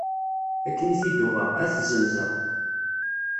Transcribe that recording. Akken i t-id-uɣeɣ, ad t-zzenzeɣ.